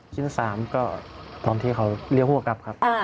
ชิ้น๓ก็ตอนที่เขาเรียกหัวกลับครับ